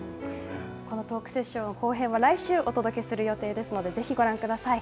このトークセッションの後編は来週お届けする予定ですのでぜひ、ご覧ください。